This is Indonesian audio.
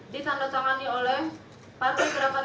ditandatangani oleh partai gerakan